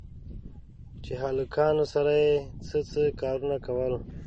چې هلکانو سره يې څه څه کارونه کول.